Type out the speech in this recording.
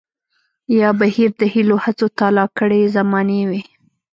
يا بهير د هيلو هڅو تالا کړے زمانې وي